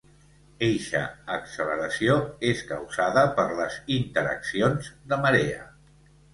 Eixa acceleració és causada per les interaccions de marea.